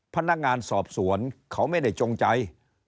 พนักงานสอบสวนเขาไม่ได้จงใจ